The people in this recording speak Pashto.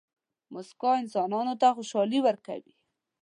موسکا انسانانو ته خوشحالي ورکوي.